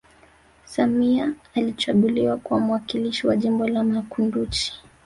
samia alichaguliwa kuwa mwakilishi wa jimbo la makunduchi